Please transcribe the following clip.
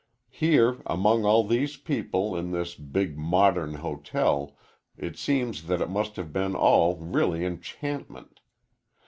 Here, among all these people, in this big modern hotel, it seems that it must have been all really enchantment.